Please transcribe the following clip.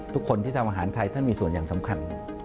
ทุกคนที่ทำอาหารไทยท่านมีส่วนอย่างสำคัญ